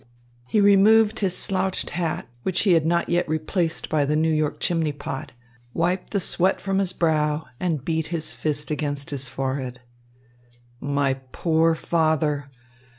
He removed his slouched hat, which he had not yet replaced by the New York chimney pot, wiped the sweat from his brow, and beat his fist against his forehead. "My poor father!